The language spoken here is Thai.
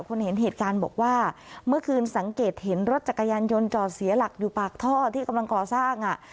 คนเห็นเหตุการณ์บอกว่าเมื่อคืนสังเกตเห็นรถจักรยานยนต์จอดเสียหลักอยู่ปากท่อที่กำลังก่อสร้างอ่ะ